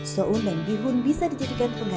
soun dan bihun bisa dijadikan pengalaman